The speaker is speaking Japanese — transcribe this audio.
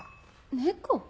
猫？